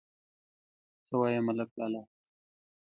_څه وايې ملک لالا ؟